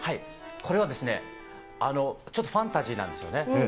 これはですね、ちょっとファンタジーなんですよね。